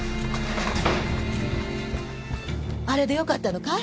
あれでよかったのかい？